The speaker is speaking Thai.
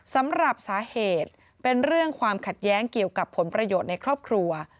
สำหรับสาเหตุเป็นเรื่องความขัดแย้งเกี่ยวกับผลประโยชน์ในครอบครัว